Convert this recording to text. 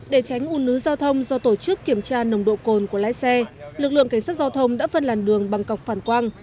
để tránh ủn ứ giao thông do tổ chức kiểm tra nồng độ cồn của lái xe lực lượng cảnh sát giao thông đã phân làn đường bằng cọc phản quang